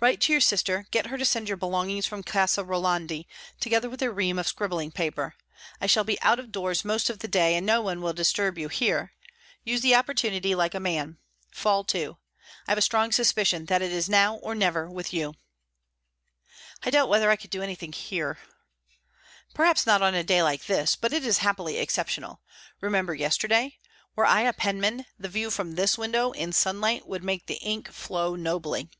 "Write to your sister; get her to send your belongings from Casa Rolandi, together with a ream of scribbling paper. I shall be out of doors most of the day, and no one will disturb you here. Use the opportunity like a man. Fall to. I have a strong suspicion that it is now or never with you." "I doubt whether I could do anything here." "Perhaps not on a day like this; but it is happily exceptional. Remember yesterday. Were I a penman, the view from this window in sunlight would make the ink flow nobly."